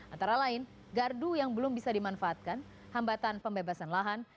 antara lain gardu yang belum bisa dimanfaatkan hambatan pembebasan lahan